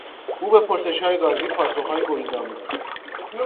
او به پرسشهای قاضی پاسخهای گریزآمیز داد.